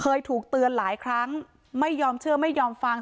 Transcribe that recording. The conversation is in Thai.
เคยถูกเตือนหลายครั้งไม่ยอมเชื่อไม่ยอมฟัง